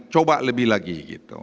coba lebih lagi gitu